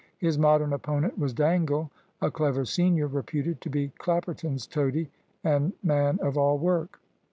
His Modern opponent was Dangle, a clever senior, reputed to be Clapperton's toady and man of all work.